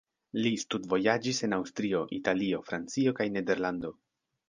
Li studvojaĝis en Aŭstrio, Italio, Francio kaj Nederlando.